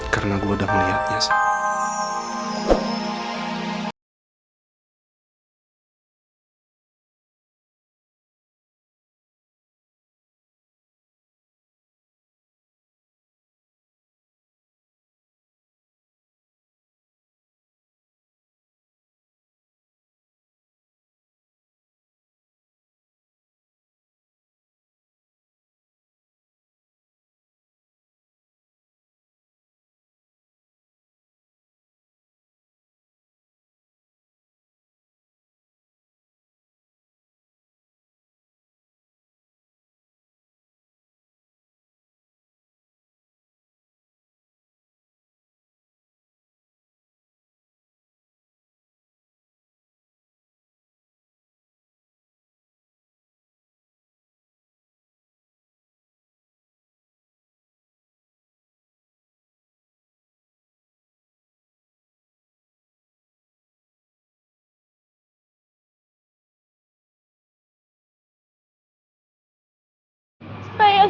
karena gue udah melihatnya sayang